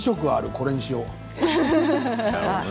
これにしよう。